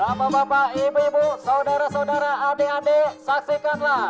bapak bapak ibu ibu saudara saudara adik adik saksikanlah